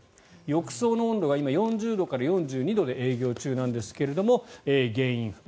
浴槽の温度が今４０度から４２度で営業中なんですが原因不明。